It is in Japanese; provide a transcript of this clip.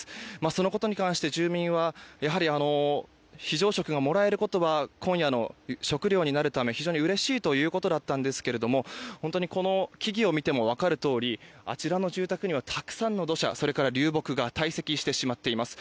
そのことに関して住民はやはり、非常食がもらえることは今夜の食料になるため非常にうれしいということだったんですが本当にこの木々を見ても分かるとおりあちらの住宅にはたくさんの土砂、流木が堆積してしまっています。